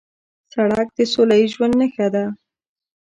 سړک د سولهییز ژوند نښه ده.